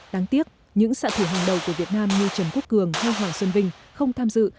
đáng tiếc những sạ thủ hàng đầu của việt nam như trần quốc cường hay hoàng xuân vinh không tham dự